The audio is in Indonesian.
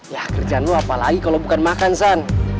ya kerjaan lo apa lagi kalau bukan makan san